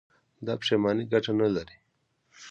دا پښېماني گټه نه لري.